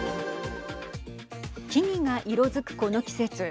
木々が色づくこの季節。